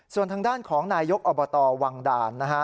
ส่วนทางด้านของนายยกอบตวังด่านนะฮะ